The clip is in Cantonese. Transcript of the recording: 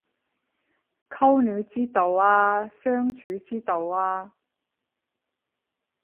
溝女之道啊相處之道啊